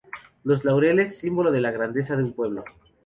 Los Laureles: símbolo de la Grandeza de un pueblo.